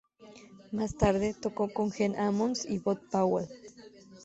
Más tarde, tocó con Gene Ammons y Bud Powell.